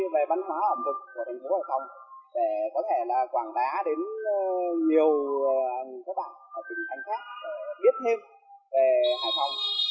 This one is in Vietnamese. về ẩm thực của thành phố